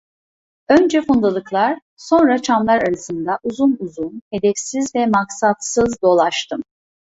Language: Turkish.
Önce fundalıklar, sonra çamlar arasında, uzun uzun, hedefsiz ve maksatsız dolaştım.